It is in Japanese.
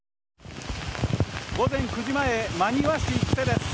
午前９時前、真庭市久世です。